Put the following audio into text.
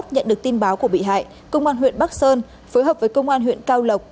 nhận được tin báo của bị hại công an huyện bắc sơn phối hợp với công an huyện cao lộc